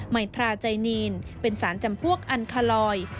มัยทราไจนีนเป็นสารจำพวกอันคาลอย